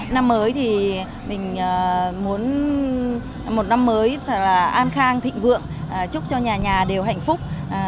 năm mới thì mình muốn một năm mới an khang thịnh vượng chúc cho nhà nhà đều hạnh phúc